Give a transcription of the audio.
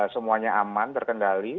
semuanya aman terkendali